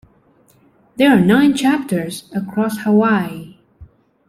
There are nine chapters across Hawaii.